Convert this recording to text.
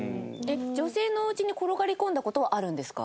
女性のおうちに転がり込んだ事はあるんですか？